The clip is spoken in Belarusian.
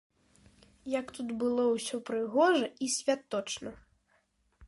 Як тут было ўсё прыгожа і святочна.